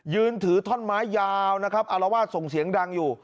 ยืนถือท่อนไม้ยาวนะครับอารวาสส่งเสียงดังอยู่